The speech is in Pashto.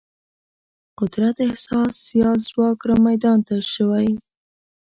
قدرت احساس سیال ځواک رامیدان ته شوی.